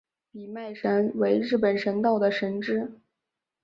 比卖神为日本神道的神只。